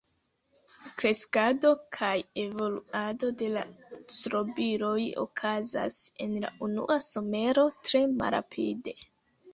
Kreskado kaj evoluado de la strobiloj okazas en la unua somero tre malrapide.